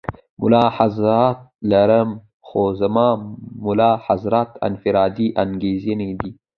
ملاحظات لرم خو زما ملاحظات انفرادي انګېرنې دي.